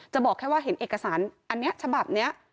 บอกแค่ว่าเห็นเอกสารอันนี้ฉบับนี้